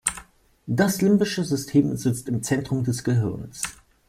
Das limbische System sitzt im Zentrum des Gehirns.